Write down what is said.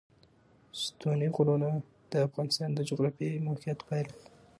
ستوني غرونه د افغانستان د جغرافیایي موقیعت پایله ده.